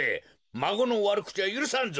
まごのわるくちはゆるさんぞ。